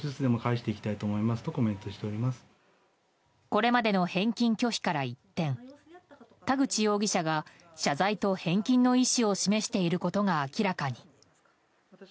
これまでの返金拒否から一転田口容疑者が謝罪を返金の意思を示していることが明らかに。